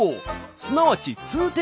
すなわち通天閣！